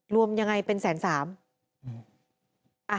รวมยังไงเป็น๑๐๓๐๐๐บาท